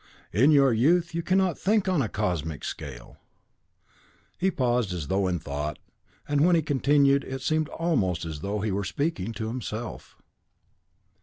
In your youth you cannot think on a cosmic scale." He paused as though in thought, and when he continued, it seemed almost as though he were speaking to himself.